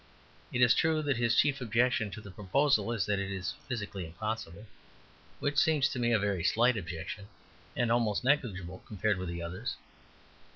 It is true that his chief objection to the proposal is that it is physically impossible, which seems to me a very slight objection, and almost negligible compared with the others.